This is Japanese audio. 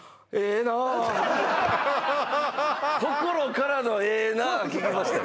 心からの「ええなぁ！」を聞きましたよ